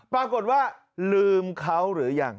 ปรากฏว่าลืมเขาหรือยัง